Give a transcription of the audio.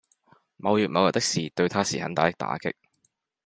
某月某日的事對他是很大的打擊